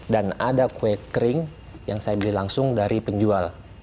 dan ada kue kering yang saya beli langsung dari penjual